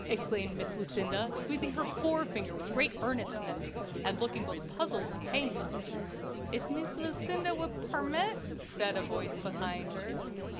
exclaimed Miss Lucinda, squeezing her forefinger with great earnestness, and looking both puzzled and pained. "If Mees Lucinda would pairmit?" said a voice behind her.